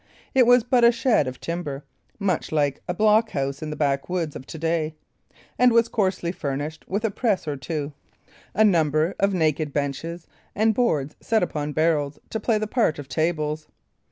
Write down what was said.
It was but a shed of timber, much like a blockhouse in the backwoods of to day, and was coarsely furnished with a press or two, a number of naked benches, and boards set upon barrels to play the part of tables.